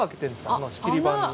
あの仕切り板に。